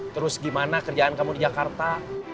terus gimana kerjaan kamu di jakarta